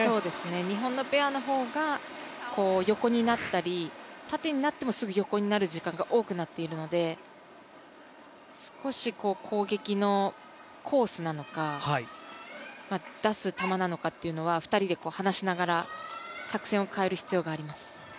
日本のペアの方が横になったり縦になっても、すぐに横になる時間が多くなってるので少し攻撃のコースなのか、出す球なのかっていうのは２人で話しながら作戦を変える必要があります。